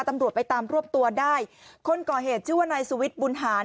ตำรวจไปตามรวบตัวได้คนก่อเหตุชื่อว่านายสุวิทย์บุญหาร